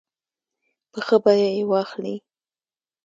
په ښه بیه یې واخلي.